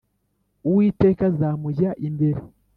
Uwiteka azamujya imbere